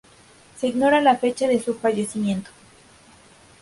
Se ignora la fecha de su fallecimiento.